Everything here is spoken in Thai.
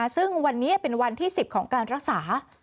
ซึ่งวันนี้เป็นวันที่๑๐ของการรักษา